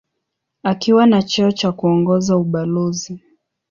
Akiwa na cheo cha kuongoza ubalozi.